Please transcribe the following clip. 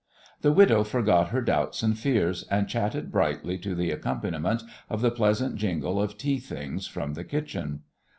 The widow forgot her doubts and fears, and chatted brightly to the accompaniment of the pleasant jingle of tea things from the kitchen.